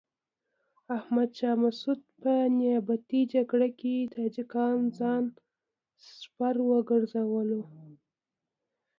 احمد شاه مسعود په نیابتي جګړه کې تاجکان ځان سپر وګرځول.